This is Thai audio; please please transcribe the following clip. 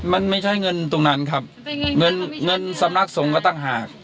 มันไม่ใช่เงินตรงนั้นครับเงินเงินสำนักสงฆ์ก็ต่างหาก